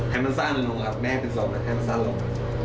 ให้มันสั้นลงครับไม่ให้เป็นสองแบบให้มันสั้นลง